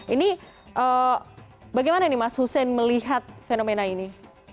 ini bagaimana nih mas hussein melihat fenomena ini